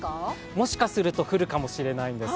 もしかすると降るかもしれないんです。